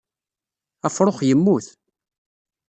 Afrux yemmut.